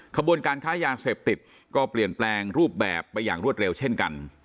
ขบวนการค้ายาเสพติดก็เปลี่ยนแปลงรูปแบบไปอย่างรวดเร็วเช่นกัน